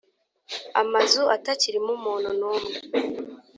amazu atakirimo umuntu n’umwe,